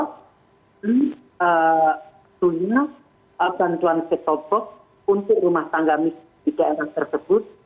dan tersusunah bantuan setobok untuk rumah tangga miskin di daerah tersebut